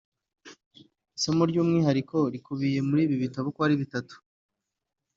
Isomo ry’umwihariko rikubiye muri ibi bitabo uko ari bitatu